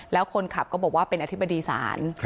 แล้วคนขับก็บอกว่าเป็นอธิบดีศาล